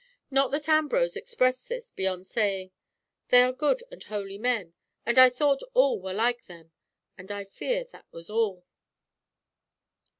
Not that Ambrose expressed this, beyond saying, "They are good and holy men, and I thought all were like them, and fear that was all!"